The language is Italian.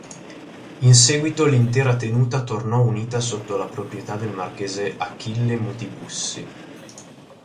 In seguito l'intera tenuta tornò unita sotto la proprietà del marchese Achille Muti-Bussi.